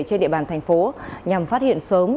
trên địa bàn thành phố nhằm phát hiện sớm